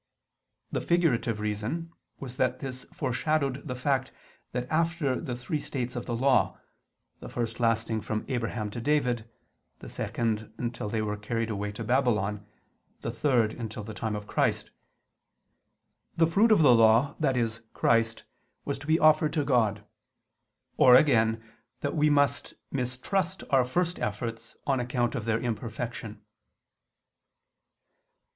The figurative reason was that this foreshadowed the fact that after the three states of the Law (the first lasting from Abraham to David, the second, until they were carried away to Babylon, the third until the time of Christ), the Fruit of the Law, i.e. Christ, was to be offered to God. Or again, that we must mistrust our first efforts, on account of their imperfection.